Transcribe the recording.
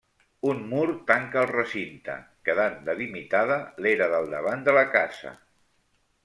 Un mur tanca el recinte, quedant delimitada l'era del davant de la casa.